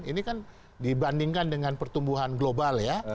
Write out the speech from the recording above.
ini kan dibandingkan dengan pertumbuhan global ya